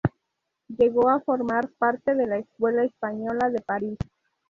Llegó a formar parte de la Escuela Española de París.